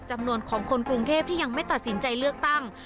จำนวนของคนกรุงเทพที่ยังไม่ตัดสินใจเลือกตั้ง